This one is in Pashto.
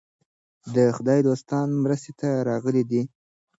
د خدای دوستان مرستې ته راغلي دي.